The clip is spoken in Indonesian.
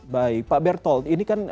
baik pak bertolt ini kan informasinya bahwa